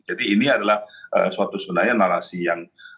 jadi ini adalah suatu sebenarnya narasi yang